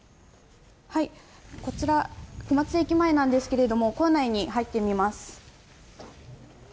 こちら、小松駅前ですが構内に入ってみます。